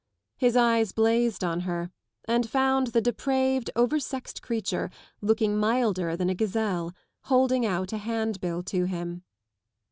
His eyes blazed on her and found the depraved, oversexed creature, looking milder than a gazeller, holding out a hand= bill to him.